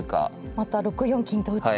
また６四金と打つか。